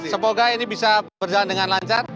semoga ini bisa berjalan dengan lancar